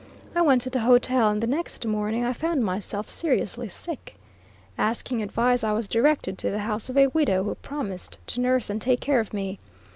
I went to the hotel, and the next morning I found myself seriously sick. Asking advice, I was directed to the house of a widow, who promised to nurse and take care of me.